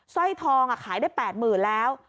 สร้อยทองขายได้๘หมื่นแล้ว